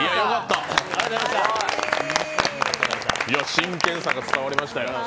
真剣さが伝わりましたよ。